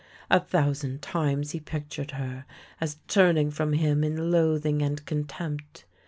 A thou sand times he pictured her as turning from him in loathing and contempt.